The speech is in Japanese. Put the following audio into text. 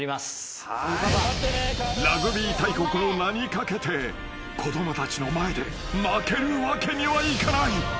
［ラグビー大国の名に懸けて子供たちの前で負けるわけにはいかない］